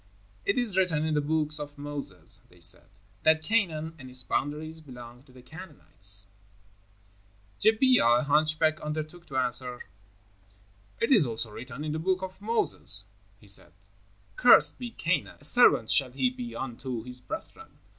"It is written in the Books of Moses," they said, "that Canaan and its boundaries belong to the Canaanites." Gebiah, a hunchback, undertook to answer. "It is also written in the Books of Moses," he said, "'Cursed be Canaan; a servant shall he be unto his brethren.'